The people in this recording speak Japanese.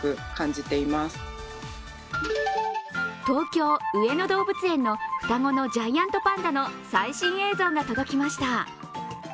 東京・上野動物園の双子のジャイアントパンダの最新映像が届きました。